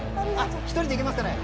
１人でいけますかね？